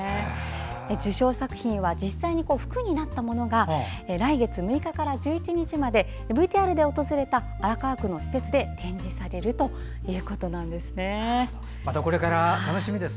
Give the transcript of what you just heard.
受賞作品は実際に服になったものが来月６日から１１日までＶＴＲで訪れた荒川区の施設で展示されます。